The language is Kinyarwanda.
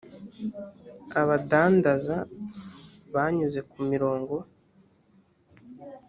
abadandaza banyuze ku mirongo